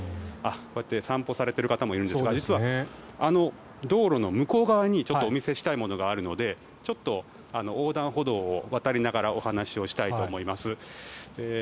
こうやって散歩されている方もいるんですが実は、あの道路の向こう側にお見せしたいものがあるのでちょっと横断歩道を渡りながらお話をしたいと思います。